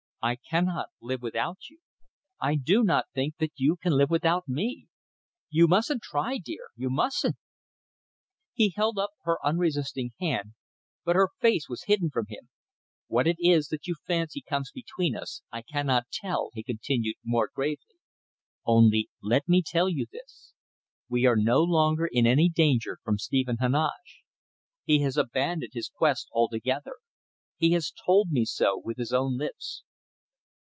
I cannot live without you! I do not think that you can live without me! You mustn't try, dear! You mustn't!" He held her unresisting hand, but her face was hidden from him. "What it is that you fancy comes between us I cannot tell," he continued, more gravely. "Only let me tell you this. We are no longer in any danger from Stephen Heneage. He has abandoned his quest altogether. He has told me so with his own lips."